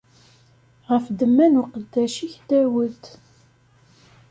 Ɣef ddemma n uqeddac-ik Dawed.